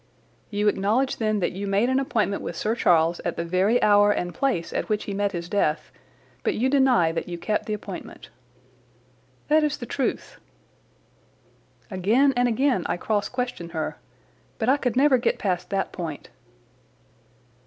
"You acknowledge then that you made an appointment with Sir Charles at the very hour and place at which he met his death, but you deny that you kept the appointment." "That is the truth." Again and again I cross questioned her, but I could never get past that point.